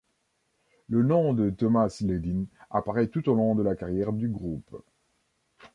Le nom de Tomas Ledin apparaît tout au long de la carrière du groupe.